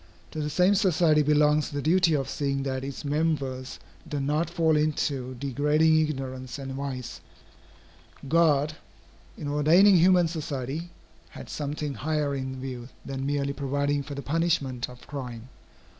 To the same society belongs the duty of seeing that its members do not fall into degrading ignorance and vice. God, in ordaining human society, had something higher in view than merely providing for the punishment of crime.